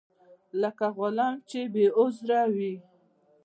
لکه غلام چې بې عذره وي.